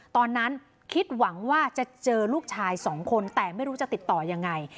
ตอนนั้นคิดหวังว่าจะเจอลูกชายสองคนแต่ไม่รู้จะติดต่อยังไง